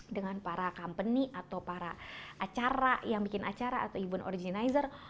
dengan para company atau para acara yang bikin acara atau event organizer